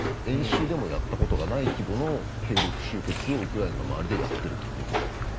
演習でもやったことがない規模の兵力集結をウクライナの周りでやっているということです。